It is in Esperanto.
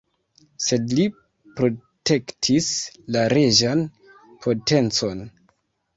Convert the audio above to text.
Sed li protektis la reĝan potencon.